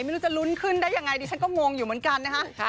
ไม่รู้จะลุ้นขึ้นได้ยังไงดิฉันก็งงอยู่เหมือนกันนะคะ